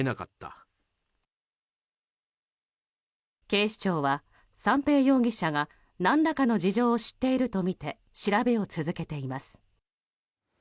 警視庁は三瓶容疑者が何らかの事情を知っているとみて調べを続けています。